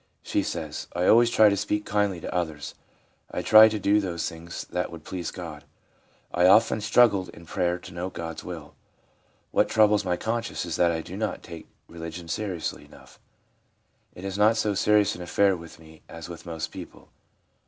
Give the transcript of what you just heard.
She says :' I always try to speak kindly to others ; I try to do those things that would please God ; I have often struggled in prayer to know God's will. What troubles my conscience is that I do not take religion seriously enough. It is not so serious an affair with me as with most people.